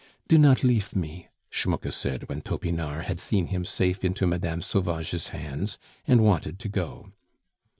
"Do not leaf me," Schmucke said, when Topinard had seen him safe into Mme. Sauvage's hands, and wanted to go.